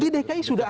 dki sudah ada